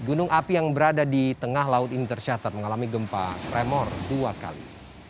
gunung api yang berada di tengah laut ini tercatat mengalami gempa remor dua kali